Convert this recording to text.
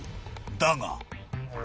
だが］